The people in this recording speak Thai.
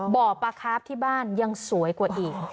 บ่อปลาคาร์ฟที่บ้านยังสวยกว่าอีก